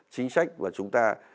chính sách và chúng ta